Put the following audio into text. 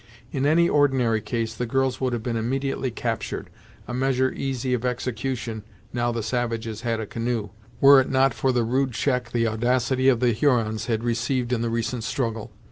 In any ordinary case, the girls would have been immediately captured, a measure easy of execution now the savages had a canoe, were it not for the rude check the audacity of the Hurons had received in the recent struggle.